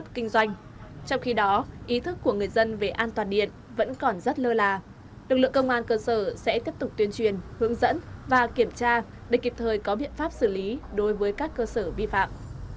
trong khi đó ý thức của người dân về an toàn điện vẫn còn rất lơ là lực lượng công an cơ sở sẽ tiếp tục tuyên truyền hướng dẫn và kiểm tra để kịp thời có biện pháp xử lý đối với các cơ sở vi phạm